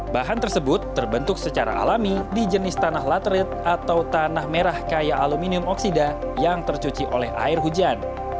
bahan tersebut terbentuk secara alami di jenis tanah laterit atau tanah merah kaya aluminium oksida yang tercuci oleh air hujan